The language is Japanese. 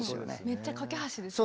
めっちゃ懸け橋ですね。